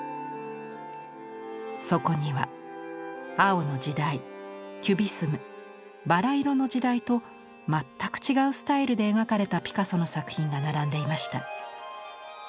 そこには青の時代キュビスム薔薇色の時代と全く違うスタイルで描かれたピカソの作品が並んでいました。